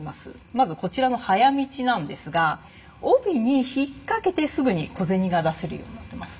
まずこちらの「早道」なんですが帯に引っかけてすぐに小銭が出せるようになってます。